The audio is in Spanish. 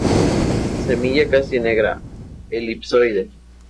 Semilla casi negra, elipsoide.